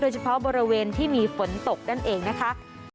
เฉพาะบริเวณที่มีฝนตกนั่นเองนะคะ